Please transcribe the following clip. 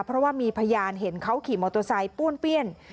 เพราะว่ามีพยานเห็นเขาขี่มอเตอร์ไซค์ป้วนเปี้ยน